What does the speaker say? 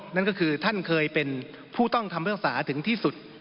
นั่นก็คือท่านเคยเป็นผู้ต้องคำพิพากษาถึงที่สุด